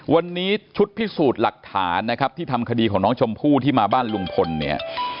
วันนี้ชุดพิสูจน์หลักฐานนะครับที่ทำคดีของน้องชมพู่ที่มาบ้านลุงพลเนี่ย